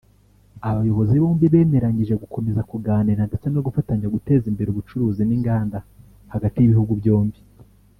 Abayobozi bombi bemeranyije gukomeza kuganira ndetse no gufatanya guteza imbere ubucuruzi n’inganda hagati y’ibihugu byombi